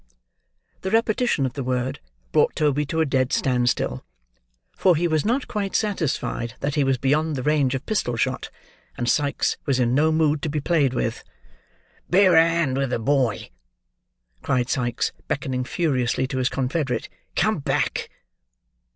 The repetition of the word, brought Toby to a dead stand still. For he was not quite satisfied that he was beyond the range of pistol shot; and Sikes was in no mood to be played with. "Bear a hand with the boy," cried Sikes, beckoning furiously to his confederate. "Come back!"